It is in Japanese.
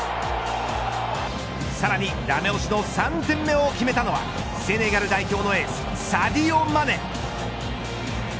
さらにダメ押しの３点目を決めたのはセネガル代表のエースサディオ・マネ。